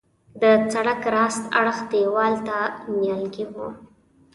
د سړک راست اړخ دیوال ته نیالګي وه.